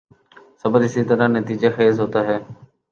صبر اسی طرح نتیجہ خیز ہوتا ہے۔